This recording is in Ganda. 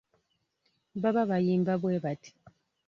Baba bayimba bwe bati.